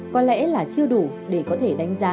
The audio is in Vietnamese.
có lẽ là chưa đủ để có thể đánh giá